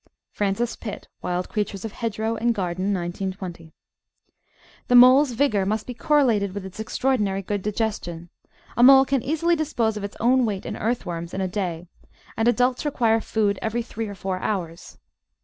(Frances Pitt, Wild Creatures of Hedgerow and Garden, 1920). The Mole's vigour must be correlated with its extraordinary good digestion. A mole can easily dispose of its own weight in earthworms in a day, and adults require food every three or four hours.